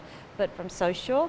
tapi dari sosial